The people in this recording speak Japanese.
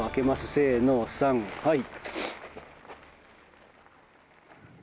せーの、さんはい。